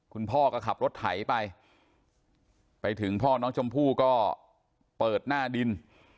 คุณพ่อก็ขับรถไถไปไปถึงพ่อน้องชมพู่ก็เปิดหน้าดิน